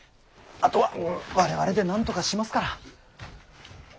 あとは我々でなんとかしますから。